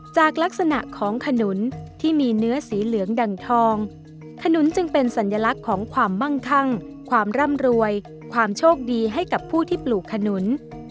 จากลักษณะของขนุนที่มีเนื้อสีเหลืองดั่งทองขนุนจึงเป็นสัญลักษณ์ของความมั่งคั่งความร่ำรวยความโชคดีให้กับผู้ที่ปลูกขนุน